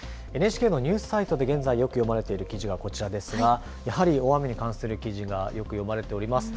ＮＨＫのニュースサイトで現在、よく読まれている記事がこちらですがやはり大雨に関する記事がよく読まれています。